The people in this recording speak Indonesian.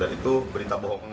dan itu berita bohong